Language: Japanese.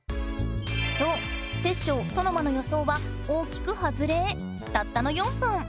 そうテッショウ・ソノマの予想は大きくはずれたったの４分！